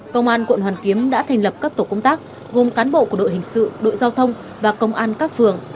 công an quận hoàn kiếm đã thành lập các tổ công tác gồm cán bộ của đội hình sự đội giao thông và công an các phường